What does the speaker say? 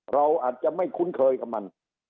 เราอาจจะไม่คุ้นเคยกับมัน